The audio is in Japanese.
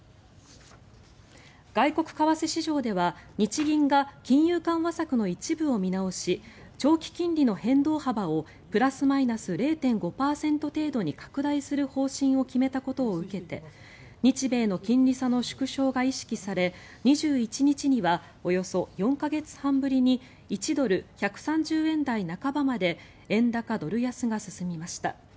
外国為替市場では日銀が金融緩和策の一部を見直し長期金利の変動幅をプラスマイナス０．５％程度に拡大する方針を決めたことを受けて日米の金利差の縮小が意識され２１日にはおよそ４か月半ぶりに１ドル＝１３０円台半ばまで円高・ドル安が進みました。